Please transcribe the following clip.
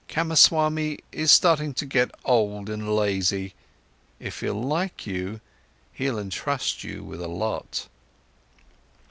Kamaswami is starting to get old and lazy. If he'll like you, he'll entrust you with a lot."